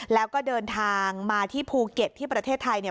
แล้วก็เดินทางมาที่ภูเก็ตที่ประเทศไทยเนี่ย